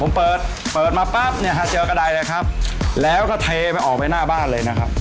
ผมเปิดเปิดมาปั๊บเนี่ยฮะเจอกระดายเลยครับแล้วก็เทไปออกไปหน้าบ้านเลยนะครับ